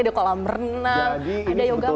ada kolam berenang ada yoga mat